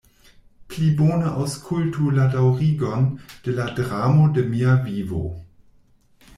Pli bone aŭskultu la daŭrigon de la dramo de mia vivo.